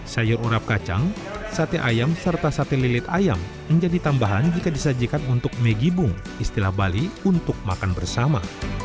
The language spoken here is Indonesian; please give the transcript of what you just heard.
sayur urap kacang sate ayam serta sate lilit ayam menjadi tambahan jika disajikan untuk megibung istilah bali untuk makan bersama